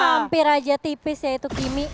hampir aja tipis ya itu timi